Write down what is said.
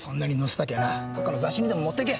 たきゃなどっかの雑誌にでも持ってけ。